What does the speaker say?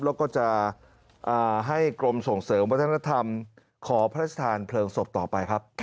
แล้วก็จะให้กรมส่งเสริมวัฒนธรรมขอพระราชทานเพลิงศพต่อไปครับ